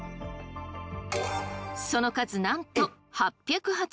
その数なんと８８５！